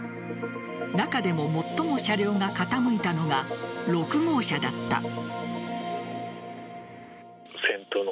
中でも、最も車両が傾いたのが６号車だった。